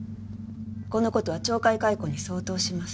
この事は懲戒解雇に相当します。